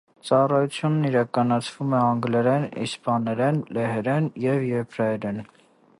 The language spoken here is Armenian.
Ծառայությունն իրականացվում է անգլերեն, իսպաներեն, լեհերեն և եբրայերեն։